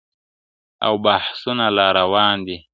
o او بحثونه لا روان دي,